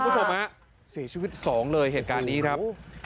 เสียชีวิตสองเลยเหตุการณ์นี้ครับ